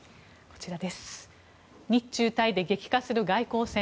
日中台で激化する外交戦。